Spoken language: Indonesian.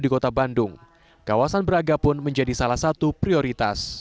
di kota bandung kawasan braga pun menjadi salah satu prioritas